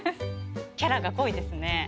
キャラが濃いですね。